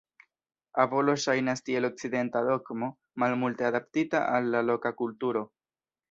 Abolo ŝajnas tiel okcidenta dogmo, malmulte adaptita al la loka kulturo.